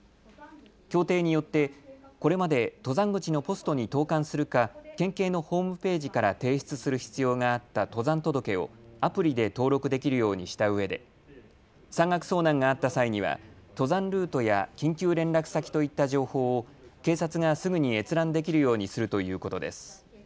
協定によってこれまで登山口のポストに投かんするか県警のホームページから提出する必要があった登山届をアプリで登録できるようにしたうえで山岳遭難があった際には登山ルートや緊急連絡先といった情報を警察がすぐに閲覧できるようにするということです。